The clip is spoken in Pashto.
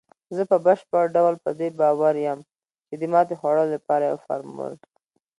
زه په بشپړ ډول په دې باور یم، چې د ماتې خوړلو لپاره یو فارمول